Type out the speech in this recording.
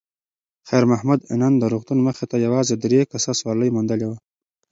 خیر محمد نن د روغتون مخې ته یوازې درې کسه سوارلي موندلې وه.